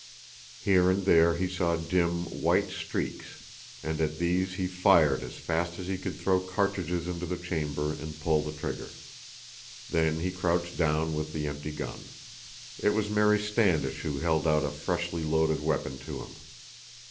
Here and there he saw dim, white streaks, and at these he fired as fast as he could throw cartridges into the chamber and pull the trigger. Then he crouched down with the empty gun. It was Mary Standish who held out a freshly loaded weapon to him.